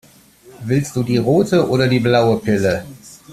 Willst du die rote oder die blaue Pille?